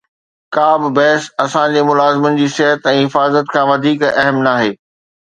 ڪابه بحث اسان جي ملازمن جي صحت ۽ حفاظت کان وڌيڪ اهم ناهي